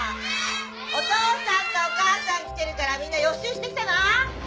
お父さんかお母さん来てるからみんな予習してきたな。